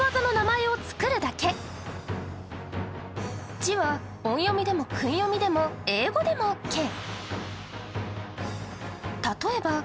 字は音読みでも訓読みでも英語でもオーケー。